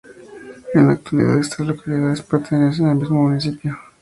En la actualidad estas localidades pertenecen al mismo municipio.